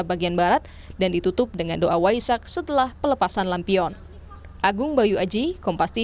rangkaian waisak hari dan pukul berapa kira kira kelepasan lampian akan dilakukan triksi